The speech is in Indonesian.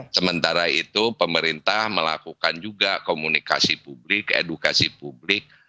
sementara itu pemerintah melakukan juga komunikasi publik edukasi publik